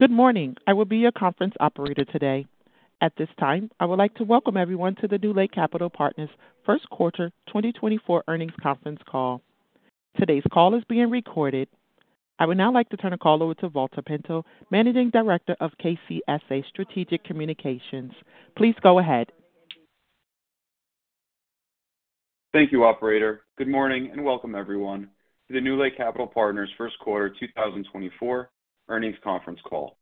Good morning. I will be your conference operator today. At this time, I would like to welcome everyone to the NewLake Capital Partners first quarter 2024 earnings conference call. Today's call is being recorded. I would now like to turn the call over to Valter Pinto, Managing Director of KCSA Strategic Communications. Please go ahead. Thank you, operator. Good morning, and welcome everyone to the NewLake Capital Partners' first quarter 2024 earnings conference call.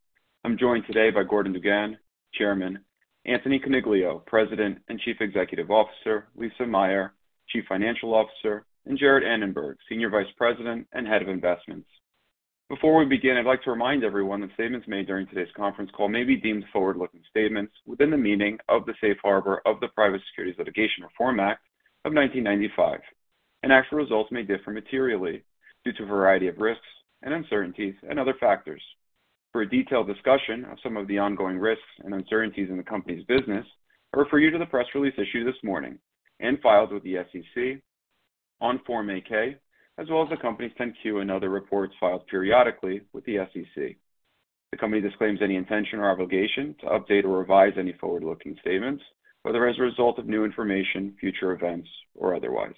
I'm joined today by Gordon DuGan, Chairman; Anthony Coniglio, President and Chief Executive Officer; Lisa Meyer, Chief Financial Officer; and Jarrett Annenberg, Senior Vice President and Head of Investments. Before we begin, I'd like to remind everyone that statements made during today's conference call may be deemed forward-looking statements within the meaning of the safe harbor of the Private Securities Litigation Reform Act of 1995, and actual results may differ materially due to a variety of risks and uncertainties and other factors. For a detailed discussion of some of the ongoing risks and uncertainties in the company's business, I refer you to the press release issued this morning and filed with the SEC on Form 8-K, as well as the company's Form 10-Q and other reports filed periodically with the SEC. The company disclaims any intention or obligation to update or revise any forward-looking statements, whether as a result of new information, future events, or otherwise.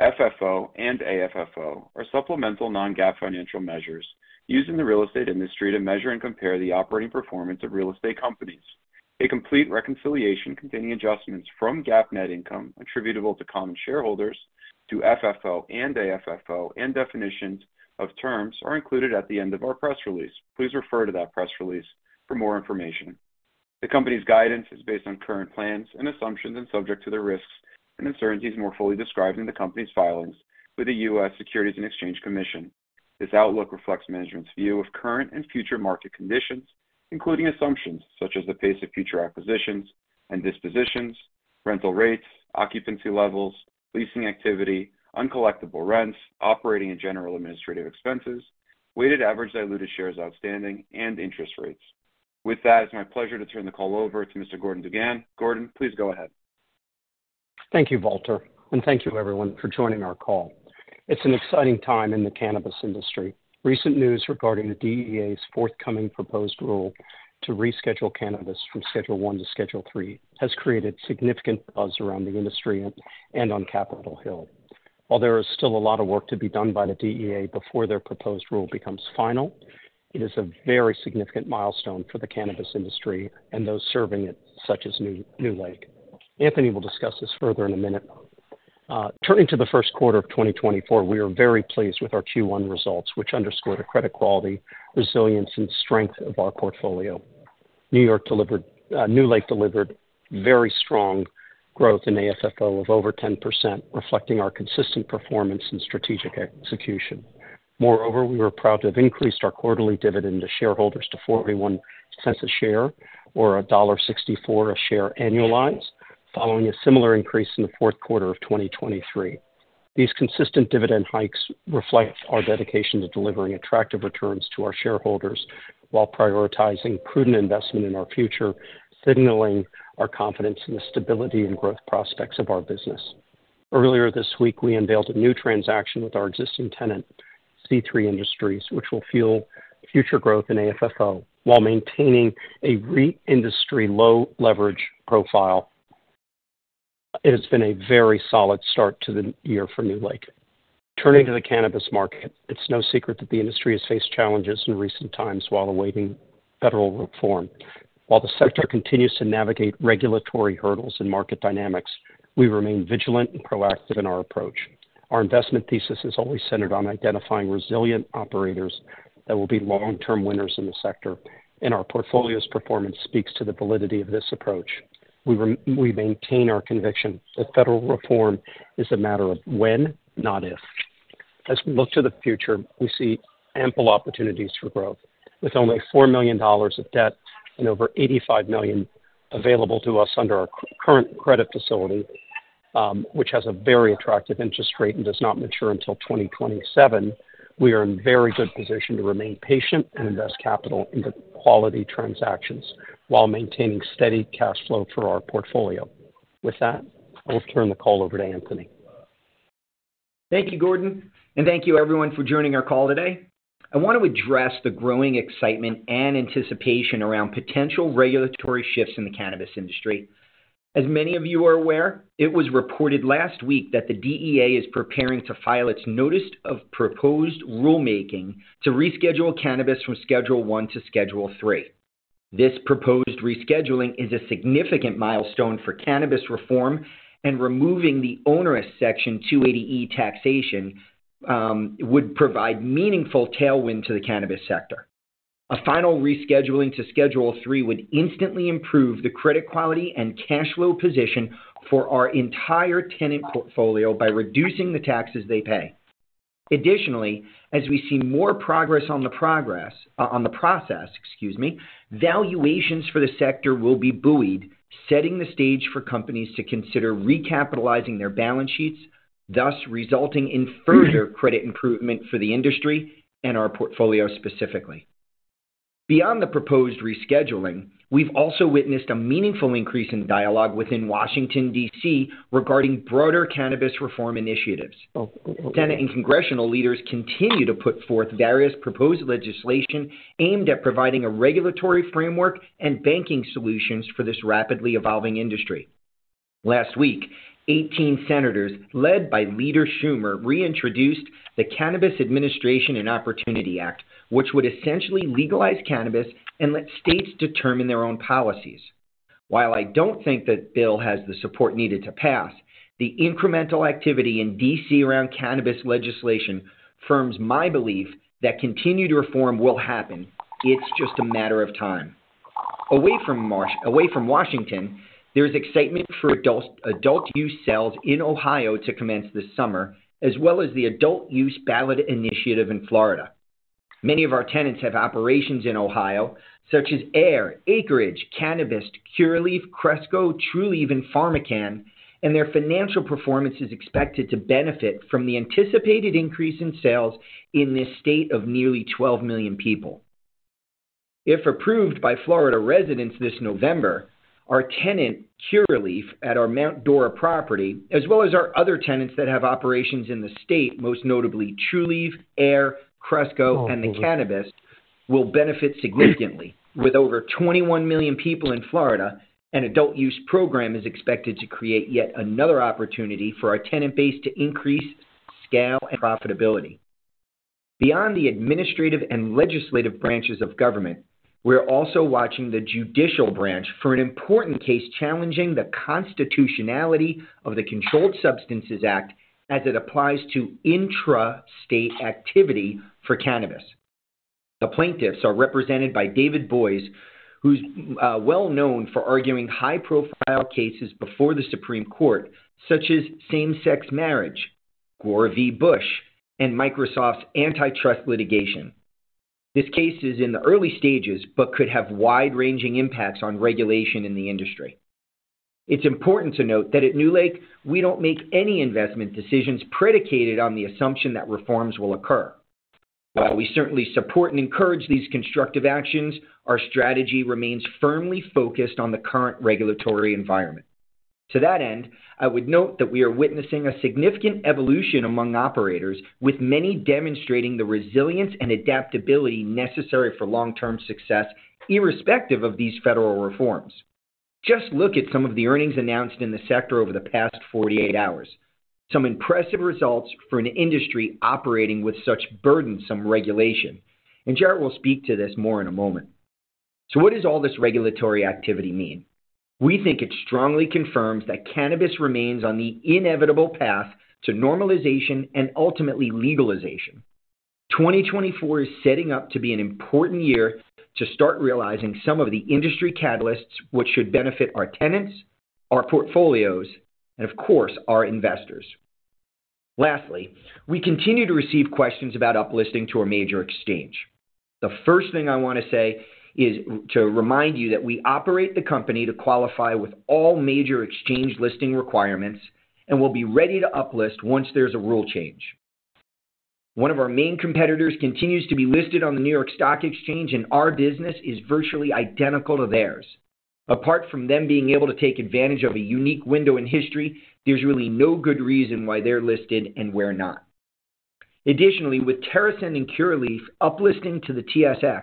FFO and AFFO are supplemental non-GAAP financial measures used in the real estate industry to measure and compare the operating performance of real estate companies. A complete reconciliation containing adjustments from GAAP net income attributable to common shareholders to FFO and AFFO and definitions of terms are included at the end of our press release. Please refer to that press release for more information. The company's guidance is based on current plans and assumptions and subject to the risks and uncertainties more fully described in the company's filings with the U.S. Securities and Exchange Commission. This outlook reflects management's view of current and future market conditions, including assumptions such as the pace of future acquisitions and dispositions, rental rates, occupancy levels, leasing activity, uncollectible rents, operating and general administrative expenses, weighted average diluted shares outstanding, and interest rates. With that, it's my pleasure to turn the call over to Mr. Gordon DuGan. Gordon, please go ahead. Thank you, Valter, and thank you everyone for joining our call. It's an exciting time in the cannabis industry. Recent news regarding the DEA's forthcoming proposed rule to reschedule cannabis from Schedule I to Schedule III has created significant buzz around the industry and on Capitol Hill. While there is still a lot of work to be done by the DEA before their proposed rule becomes final, it is a very significant milestone for the cannabis industry and those serving it, such as NewLake. Anthony will discuss this further in a minute. Turning to the first quarter of 2024, we are very pleased with our Q1 results, which underscore the credit quality, resilience, and strength of our portfolio. NewLake delivered very strong growth in AFFO of over 10%, reflecting our consistent performance and strategic execution. Moreover, we were proud to have increased our quarterly dividend to shareholders to $0.41 a share, or $1.64 a share annualized, following a similar increase in the fourth quarter of 2023. These consistent dividend hikes reflect our dedication to delivering attractive returns to our shareholders while prioritizing prudent investment in our future, signaling our confidence in the stability and growth prospects of our business. Earlier this week, we unveiled a new transaction with our existing tenant, C3 Industries, which will fuel future growth in AFFO while maintaining a REIT industry low leverage profile. It has been a very solid start to the year for NewLake. Turning to the cannabis market, it's no secret that the industry has faced challenges in recent times while awaiting federal reform. While the sector continues to navigate regulatory hurdles and market dynamics, we remain vigilant and proactive in our approach. Our investment thesis is always centered on identifying resilient operators that will be long-term winners in the sector, and our portfolio's performance speaks to the validity of this approach. We maintain our conviction that federal reform is a matter of when, not if. As we look to the future, we see ample opportunities for growth. With only $4 million of debt and over $85 million available to us under our current credit facility, which has a very attractive interest rate and does not mature until 2027, we are in very good position to remain patient and invest capital into quality transactions while maintaining steady cash flow for our portfolio. With that, I'll turn the call over to Anthony. Thank you, Gordon, and thank you everyone for joining our call today. I want to address the growing excitement and anticipation around potential regulatory shifts in the cannabis industry. As many of you are aware, it was reported last week that the DEA is preparing to file its notice of proposed rulemaking to reschedule cannabis from Schedule I to Schedule III. This proposed rescheduling is a significant milestone for cannabis reform, and removing the onerous Section 280E taxation would provide meaningful tailwind to the cannabis sector. A final rescheduling to Schedule III would instantly improve the credit quality and cash flow position for our entire tenant portfolio by reducing the taxes they pay. Additionally, as we see more progress on the process, excuse me, valuations for the sector will be buoyed, setting the stage for companies to consider recapitalizing their balance sheets, thus resulting in further credit improvement for the industry and our portfolio specifically. Beyond the proposed rescheduling, we've also witnessed a meaningful increase in dialogue within Washington, D.C., regarding broader cannabis reform initiatives. Senate and congressional leaders continue to put forth various proposed legislation aimed at providing a regulatory framework and banking solutions for this rapidly evolving industry. Last week, 18 senators, led by Leader Schumer, reintroduced the Cannabis Administration and Opportunity Act, which would essentially legalize cannabis and let states determine their own policies. While I don't think that bill has the support needed to pass, the incremental activity in D.C. around cannabis legislation firms my belief that continued reform will happen. It's just a matter of time. Away from Washington, there is excitement for adult use sales in Ohio to commence this summer, as well as the adult use ballot initiative in Florida. Many of our tenants have operations in Ohio, such as Ayr, Acreage, Cannabist, Curaleaf, Cresco, Trulieve, and PharmaCann, and their financial performance is expected to benefit from the anticipated increase in sales in this state of nearly 12 million people. If approved by Florida residents this November, our tenant, Curaleaf, at our Mount Dora property, as well as our other tenants that have operations in the state, most notably Trulieve, Ayr, Cresco, and The Cannabist, will benefit significantly. With over 21 million people in Florida, an adult use program is expected to create yet another opportunity for our tenant base to increase scale and profitability. Beyond the administrative and legislative branches of government, we're also watching the judicial branch for an important case challenging the constitutionality of the Controlled Substances Act as it applies to intrastate activity for cannabis. The plaintiffs are represented by David Boies, who's well known for arguing high-profile cases before the Supreme Court, such as same-sex marriage, Gore v. Bush, and Microsoft's antitrust litigation. This case is in the early stages but could have wide-ranging impacts on regulation in the industry. It's important to note that at NewLake, we don't make any investment decisions predicated on the assumption that reforms will occur. While we certainly support and encourage these constructive actions, our strategy remains firmly focused on the current regulatory environment. To that end, I would note that we are witnessing a significant evolution among operators, with many demonstrating the resilience and adaptability necessary for long-term success, irrespective of these federal reforms. Just look at some of the earnings announced in the sector over the past 48 hours. Some impressive results for an industry operating with such burdensome regulation, and Jarrett will speak to this more in a moment. What does all this regulatory activity mean? We think it strongly confirms that cannabis remains on the inevitable path to normalization and ultimately legalization. 2024 is setting up to be an important year to start realizing some of the industry catalysts, which should benefit our tenants, our portfolios, and of course, our investors. Lastly, we continue to receive questions about uplisting to a major exchange. The first thing I want to say is to remind you that we operate the company to qualify with all major exchange listing requirements, and we'll be ready to uplist once there's a rule change. One of our main competitors continues to be listed on the New York Stock Exchange, and our business is virtually identical to theirs. Apart from them being able to take advantage of a unique window in history, there's really no good reason why they're listed and we're not. Additionally, with TerrAscend and Curaleaf uplisting to the TSX,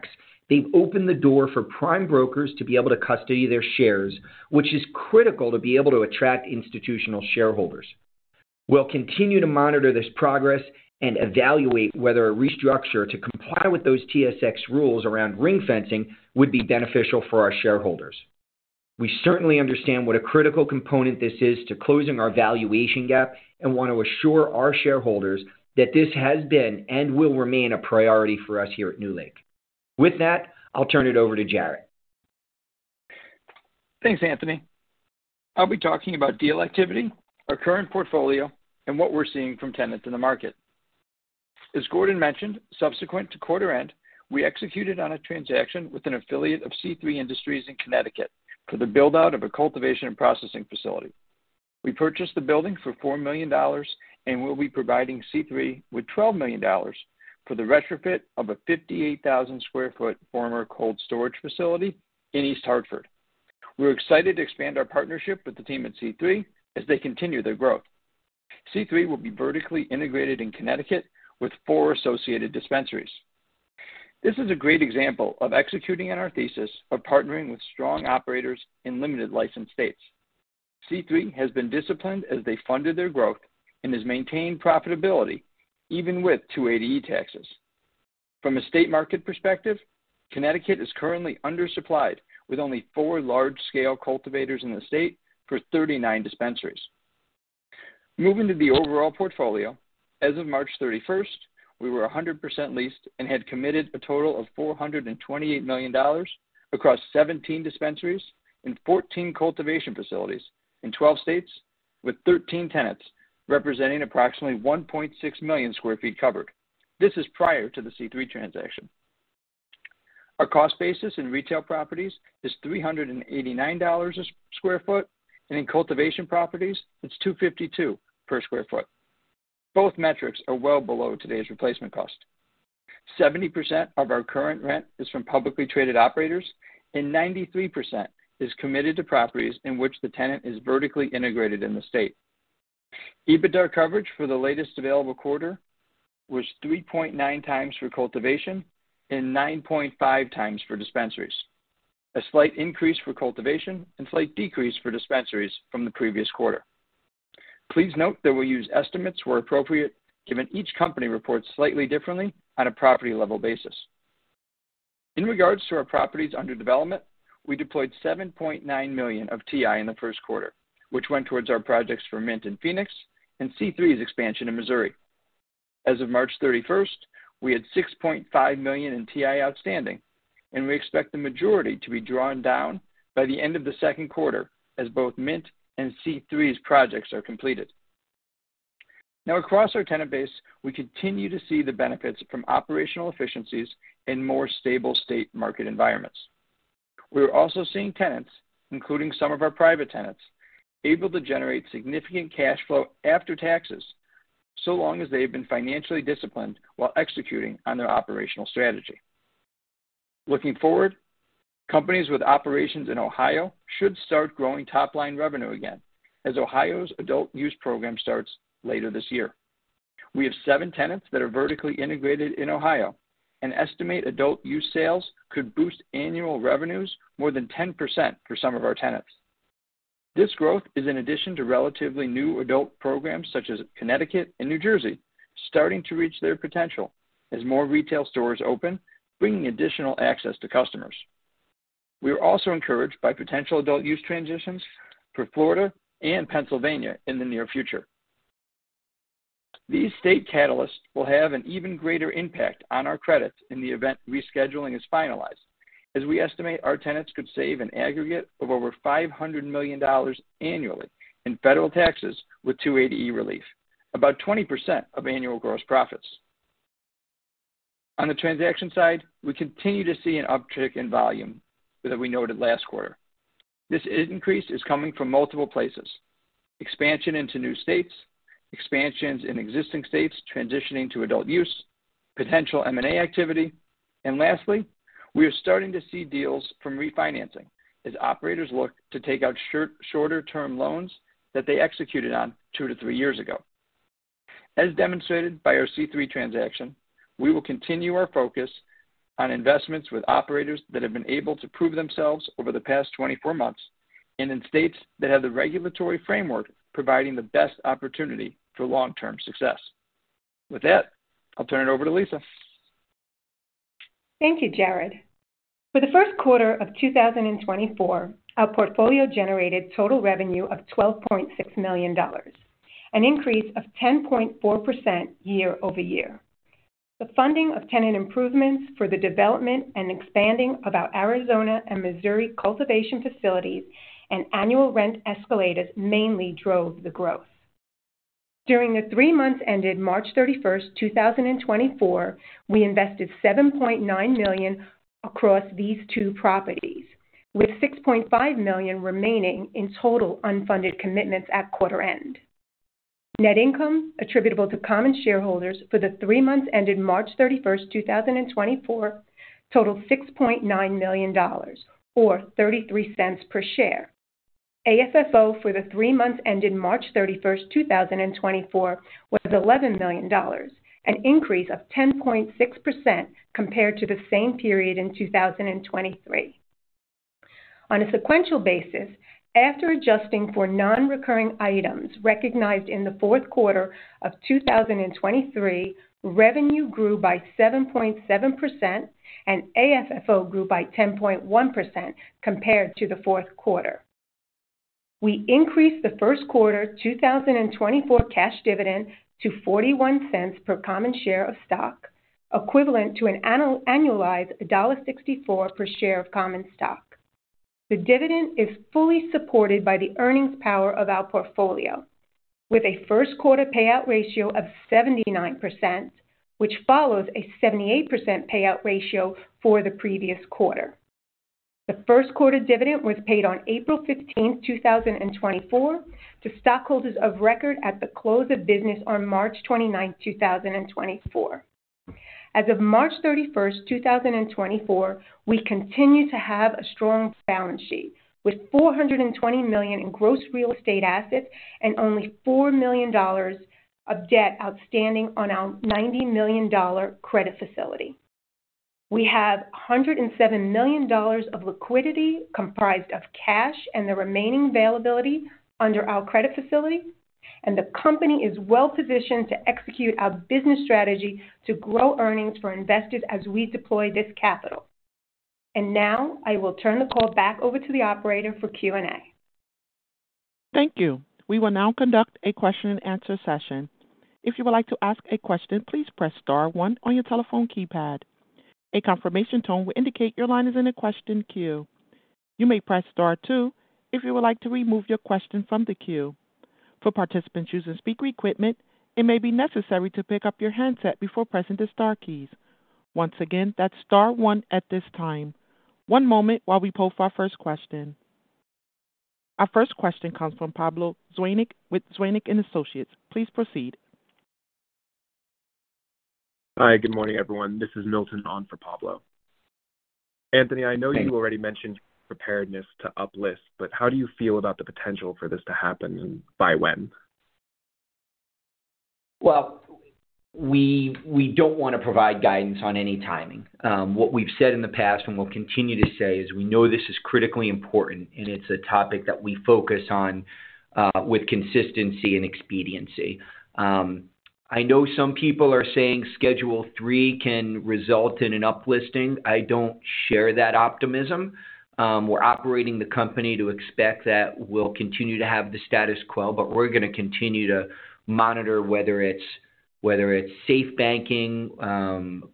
they've opened the door for prime brokers to be able to custody their shares, which is critical to be able to attract institutional shareholders. We'll continue to monitor this progress and evaluate whether a restructure to comply with those TSX rules around ring-fencing would be beneficial for our shareholders. We certainly understand what a critical component this is to closing our valuation gap and want to assure our shareholders that this has been and will remain a priority for us here at NewLake. With that, I'll turn it over to Jarrett. Thanks, Anthony. I'll be talking about deal activity, our current portfolio, and what we're seeing from tenants in the market. As Gordon mentioned, subsequent to quarter end, we executed on a transaction with an affiliate of C3 Industries in Connecticut for the build-out of a cultivation and processing facility. We purchased the building for $4 million, and we'll be providing C3 with $12 million for the retrofit of a 58,000 sq ft former cold storage facility in East Hartford. We're excited to expand our partnership with the team at C3 as they continue their growth. C3 will be vertically integrated in Connecticut with four associated dispensaries. This is a great example of executing on our thesis of partnering with strong operators in limited license states. C3 has been disciplined as they funded their growth and has maintained profitability even with 280E taxes. From a state market perspective, Connecticut is currently undersupplied, with only 4 large-scale cultivators in the state for 39 dispensaries. Moving to the overall portfolio, as of March 31, we were 100% leased and had committed a total of $428 million across 17 dispensaries and 14 cultivation facilities in 12 states with 13 tenants, representing approximately 1.6 million sq ft covered. This is prior to the C3 transaction. Our cost basis in retail properties is $389/sq ft, and in cultivation properties, it's $252/sq ft. Both metrics are well below today's replacement cost. 70% of our current rent is from publicly traded operators, and 93% is committed to properties in which the tenant is vertically integrated in the state. EBITDA coverage for the latest available quarter was 3.9x for cultivation and 9.5x for dispensaries. A slight increase for cultivation and slight decrease for dispensaries from the previous quarter. Please note that we use estimates where appropriate, given each company reports slightly differently on a property level basis. In regards to our properties under development, we deployed $7.9 million of TI in the first quarter, which went towards our projects for Mint in Phoenix and C3's expansion in Missouri. As of March 31, we had $6.5 million in TI outstanding, and we expect the majority to be drawn down by the end of the second quarter, as both Mint and C3's projects are completed. Now, across our tenant base, we continue to see the benefits from operational efficiencies in more stable state market environments. We are also seeing tenants, including some of our private tenants, able to generate significant cash flow after taxes, so long as they have been financially disciplined while executing on their operational strategy. Looking forward, companies with operations in Ohio should start growing top line revenue again, as Ohio's adult use program starts later this year. We have seven tenants that are vertically integrated in Ohio and estimate adult use sales could boost annual revenues more than 10% for some of our tenants. This growth is in addition to relatively new adult programs, such as Connecticut and New Jersey, starting to reach their potential as more retail stores open, bringing additional access to customers. We are also encouraged by potential adult use transitions for Florida and Pennsylvania in the near future. These state catalysts will have an even greater impact on our credits in the event rescheduling is finalized, as we estimate our tenants could save an aggregate of over $500 million annually in federal taxes with 280E relief, about 20% of annual gross profits. On the transaction side, we continue to see an uptick in volume that we noted last quarter. This increase is coming from multiple places: expansion into new states, expansions in existing states transitioning to adult-use, potential M&A activity, and lastly, we are starting to see deals from refinancing as operators look to take out short, shorter term loans that they executed on 2-3 years ago. As demonstrated by our C3 transaction, we will continue our focus on investments with operators that have been able to prove themselves over the past 24 months and in states that have the regulatory framework, providing the best opportunity for long-term success. With that, I'll turn it over to Lisa. Thank you, Jarrett. For the first quarter of 2024, our portfolio generated total revenue of $12.6 million, an increase of 10.4% year-over-year. The funding of tenant improvements for the development and expanding of our Arizona and Missouri cultivation facilities and annual rent escalators mainly drove the growth. During the three months ended March 31, 2024, we invested $7.9 million across these two properties, with $6.5 million remaining in total unfunded commitments at quarter end. Net income attributable to common shareholders for the three months ended March 31, 2024, totaled $6.9 million, or $0.33 per share. AFFO for the three months ended March 31, 2024, was $11 million, an increase of 10.6% compared to the same period in 2023. On a sequential basis, after adjusting for non-recurring items recognized in the fourth quarter of 2023, revenue grew by 7.7%, and AFFO grew by 10.1% compared to the fourth quarter. We increased the first quarter 2024 cash dividend to $0.41 per common share of stock, equivalent to an annualized $0.64 per share of common stock. The dividend is fully supported by the earnings power of our portfolio, with a first quarter payout ratio of 79%, which follows a 78% payout ratio for the previous quarter. The first quarter dividend was paid on April 15, 2024, to stockholders of record at the close of business on March 29, 2024. As of March 31, 2024, we continue to have a strong balance sheet, with $420 million in gross real estate assets and only $4 million of debt outstanding on our $90 million credit facility. We have $107 million of liquidity comprised of cash and the remaining availability under our credit facility, and the company is well positioned to execute our business strategy to grow earnings for investors as we deploy this capital. And now I will turn the call back over to the operator for Q&A. Thank you. We will now conduct a question and answer session. If you would like to ask a question, please press star one on your telephone keypad. A confirmation tone will indicate your line is in a question queue. You may press star two if you would like to remove your question from the queue. For participants using speaker equipment, it may be necessary to pick up your handset before pressing the star keys. Once again, that's star one at this time. One moment while we poll for our first question. Our first question comes from Pablo Zuanic with Zuanic & Associates. Please proceed. Hi, good morning, everyone. This is Milton on for Pablo. Anthony, I know you already mentioned preparedness to uplist, but how do you feel about the potential for this to happen and by when? Well, we don't want to provide guidance on any timing. What we've said in the past and will continue to say is we know this is critically important, and it's a topic that we focus on with consistency and expediency. I know some people are saying Schedule III can result in an uplisting. I don't share that optimism. We're operating the company to expect that we'll continue to have the status quo, but we're going to continue to monitor whether it's safe banking,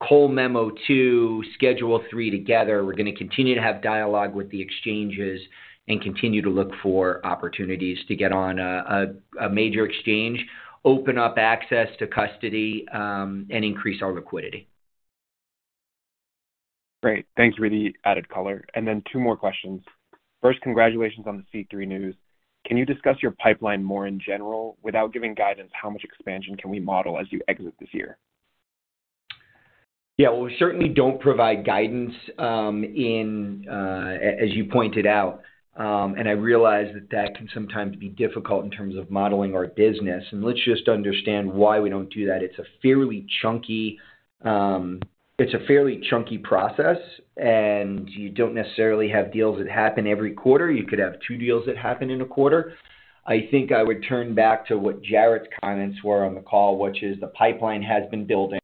Cole Memo II, Schedule III together. We're going to continue to have dialogue with the exchanges and continue to look for opportunities to get on a major exchange, open up access to custody, and increase our liquidity. Great. Thanks for the added color. And then two more questions. First, congratulations on the C3 news. Can you discuss your pipeline more in general? Without giving guidance, how much expansion can we model as you exit this year? Yeah, well, we certainly don't provide guidance, in, as you pointed out. And I realize that that can sometimes be difficult in terms of modeling our business. And let's just understand why we don't do that. It's a fairly chunky process, and you don't necessarily have deals that happen every quarter. You could have two deals that happen in a quarter. I think I would turn back to what Jarrett's comments were on the call, which is the pipeline has been building.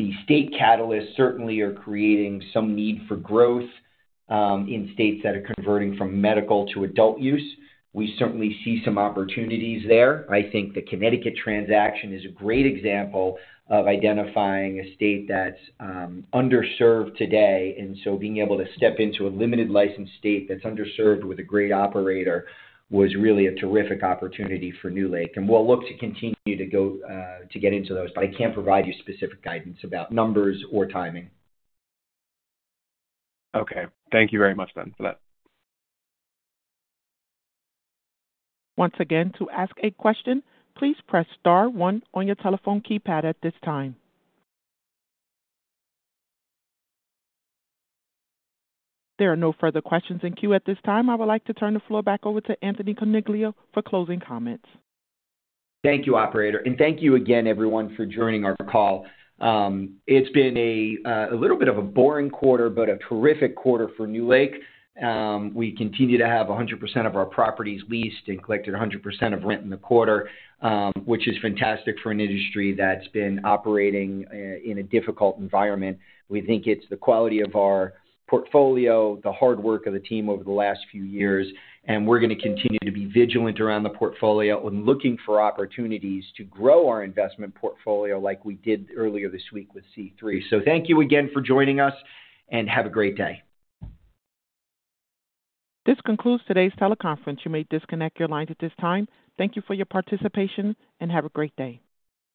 The state catalysts certainly are creating some need for growth, in states that are converting from medical to adult use. We certainly see some opportunities there. I think the Connecticut transaction is a great example of identifying a state that's underserved today, and so being able to step into a limited license state that's underserved with a great operator was really a terrific opportunity for NewLake, and we'll look to continue to go to get into those, but I can't provide you specific guidance about numbers or timing. Okay. Thank you very much then for that. Once again, to ask a question, please press star one on your telephone keypad at this time. There are no further questions in queue at this time. I would like to turn the floor back over to Anthony Coniglio for closing comments. Thank you, Operator, and thank you again, everyone, for joining our call. It's been a little bit of a boring quarter, but a terrific quarter for NewLake. We continue to have 100% of our properties leased and collected 100% of rent in the quarter, which is fantastic for an industry that's been operating in a difficult environment. We think it's the quality of our portfolio, the hard work of the team over the last few years, and we're going to continue to be vigilant around the portfolio and looking for opportunities to grow our investment portfolio like we did earlier this week with C3. So thank you again for joining us, and have a great day. This concludes today's teleconference. You may disconnect your lines at this time. Thank you for your participation, and have a great day.